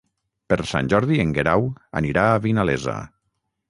Per Sant Jordi en Guerau anirà a Vinalesa.